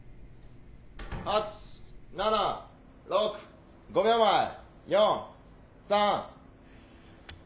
８７６５秒前４３。